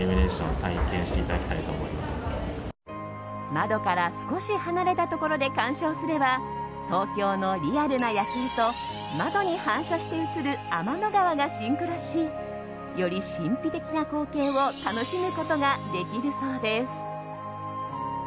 窓から少し離れたところで鑑賞すれば東京のリアルな夜景と窓に反射して映る天の川がシンクロしより神秘的な光景を楽しむことができるそうです。